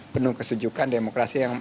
penuh kesujukan demokrasi yang